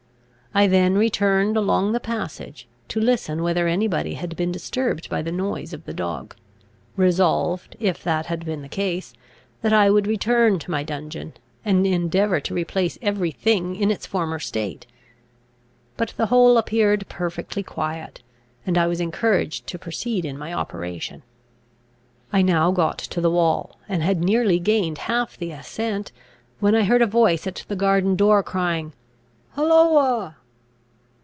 I then returned along the passage to listen whether any body had been disturbed by the noise of the dog; resolved, if that had been the case, that I would return to my dungeon, and endeavour to replace every thing in its former state. But the whole appeared perfectly quiet, and I was encouraged to proceed in my operation. I now got to the wall, and had nearly gained half the ascent, when I heard a voice at the garden door, crying, "Holloa!